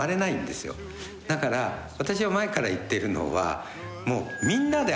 だから私は前から言ってるのは。